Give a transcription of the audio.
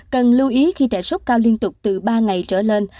cần lưu ý khi trẻ sốt cao liên tục từ ba ngày trở lên